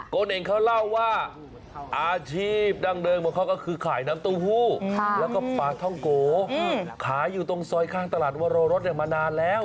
เน่งเขาเล่าว่าอาชีพดั้งเดิมของเขาก็คือขายน้ำเต้าหู้แล้วก็ปลาท่องโกขายอยู่ตรงซอยข้างตลาดวรรสมานานแล้ว